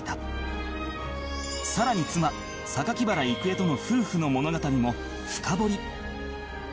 さらに妻榊原郁恵との夫婦の物語も深掘り